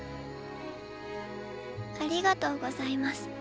ありがとうございます。